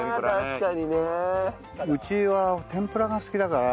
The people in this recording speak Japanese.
うちは天ぷらが好きだから。